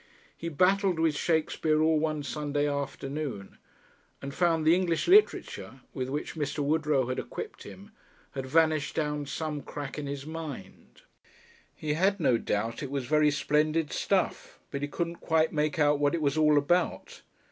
He battled with Shakespeare all one Sunday afternoon, and found the "English Literature" with which Mr. Woodrow had equipped him had vanished down some crack in his mind. He had no doubt it was very splendid stuff, but he couldn't quite make out what it was all about.